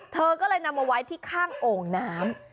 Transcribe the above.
เธอก็เลยนำมาไว้ที่ข้างโอ่งน้ำ